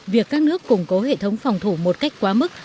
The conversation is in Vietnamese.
việc các nước củng cố hệ thống phòng thủ một cách quá mức